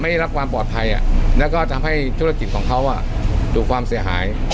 รักความปลอดภัยแล้วก็ทำให้ธุรกิจของเขาดูความเสียหาย